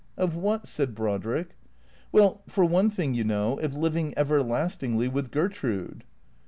"Of what? "said Brodrick. " Well, for one thing, you know, of living everlastingly with Gertrude."